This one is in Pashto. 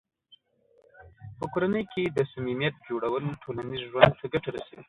په کورنۍ کې د صمیمیت جوړول ټولنیز ژوند ته ګټه رسوي.